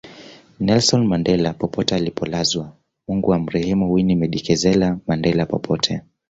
Nelson Mandela popote alipolazwa Mungu amrehemu Winnie Medikizela Mandela popote